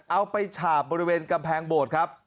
เอาไปฉาบบริเวณกำแพงโบสถ์ครับ